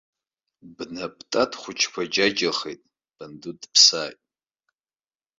Бнап тат хәыҷқәа џьаџьахеит, банду дыԥсааит.